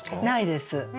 ないです。